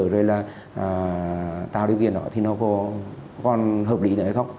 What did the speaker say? rồi là tạo điều kiện đó thì nó có còn hợp lý nữa hay không